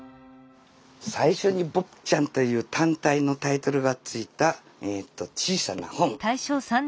最初に「坊ちゃん」という単体のタイトルがついた小さな本。